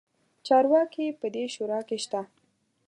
چارواکي په دې شورا کې شته.